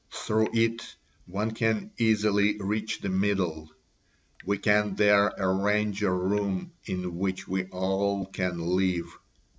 Through it one can easily reach the middle. We can there arrange a room in which we all can live.